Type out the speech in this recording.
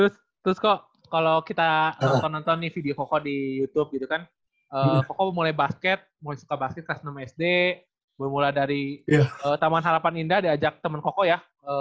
terus kok kalau kita nonton nonton nih video koko di youtube gitu kan koko mulai basket mulai suka basket kelas enam sd bermula dari taman harapan indah diajak teman koko ya